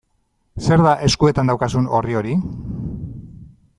Zer da eskuetan daukazun orri hori?